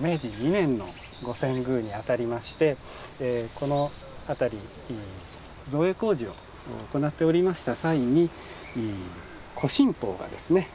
明治２年の御遷宮にあたりましてこの辺り造営工事を行っておりました際に古神宝がですね